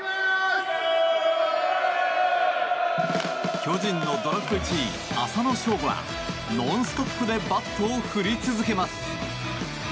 巨人のドラフト１位浅野翔吾はノンストップでバットを振り続けます。